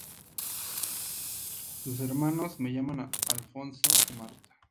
Sus hermanos se llaman Alfonso y Marta.